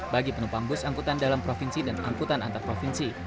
bagi penumpang bus angkutan dalam provinsi dan angkutan antar provinsi